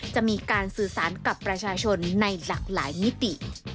จะมีการสื่อสารกับประชาชนในหลากหลายมิติ